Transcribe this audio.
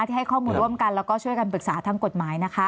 ให้ข้อมูลร่วมกันแล้วก็ช่วยกันปรึกษาทางกฎหมายนะคะ